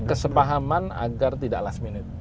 kesepahaman agar tidak last minute